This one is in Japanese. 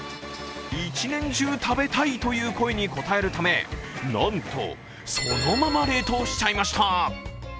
１年中、食べたいという声に応えるためなんと、そのまま冷凍しちゃいました。